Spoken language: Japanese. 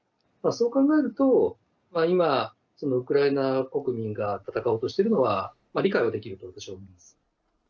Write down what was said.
そう考えると、今、ウクライナ国民が戦おうとしているのは、理解はできると、私は思います。